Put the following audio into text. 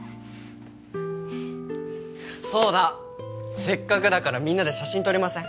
そうだせっかくだからみんなで写真撮りません？